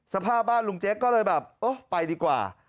สภาพบ้านลุงเจ๊กก็เลยแบบโอ้ไปดีกว่า